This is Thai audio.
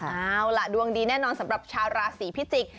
เอาล่ะดวงดีแน่นอนสำหรับชาวราศีพิจิกษ